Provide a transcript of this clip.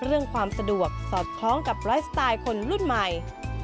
เรื่องความสะดวกสอดคล้องกับไลฟ์สไตล์คนรุ่นใหม่